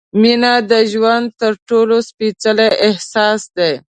مینه د ژوند تر ټولو سپېڅلی احساس دی.